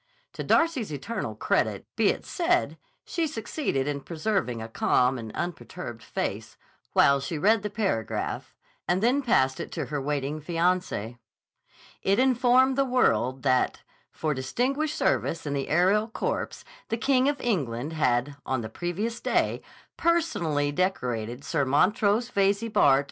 To Darcy's eternal credit be it said, she succeeded in preserving a calm and unperturbed face, while she read the paragraph, and then passed it to her waiting fiancé. It informed the world that, for distinguished service in the aerial corps, the King of England had, on the previous day, personally decorated Sir Montrose Veyze, Bart.